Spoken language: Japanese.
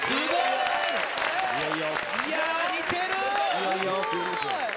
いや似てる！